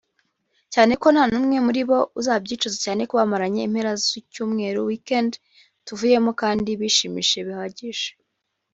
ariko nta numwe muri bo uzabyicuza cyane ko bamaranye impera z’icyumweru (Weekend) tuvuyemo kandi bishimishije bihagije